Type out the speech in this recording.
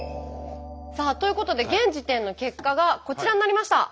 さあということで現時点の結果がこちらになりました！